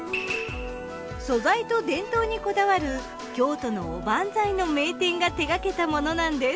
素材と伝統にこだわる京都のおばんざいの名店が手がけたものなんです。